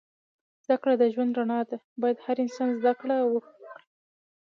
زده کړه د ژوند رڼا ده. باید هر انسان زده کړه وه کوی